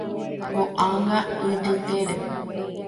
Ko'ág̃a ijykére.